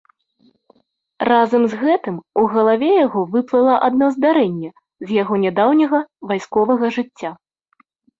Разам з гэтым у галаве яго выплыла адно здарэнне з яго нядаўняга вайсковага жыцця.